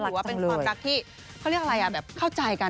ก็ถือว่าเป็นความรักที่เข้าใจกัน